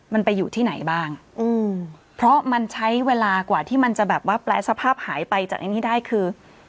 มันไปอยู่ที่ไหนบ้างอืมเพราะมันใช้เวลากว่าที่มันจะแบบว่าแปลสภาพหายไปจากไอ้นี่ได้คือ